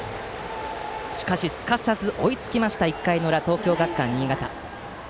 しかし、すかさず追いつきました１回の裏、東京学館新潟。